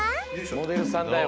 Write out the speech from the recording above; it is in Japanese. モデルさんだよ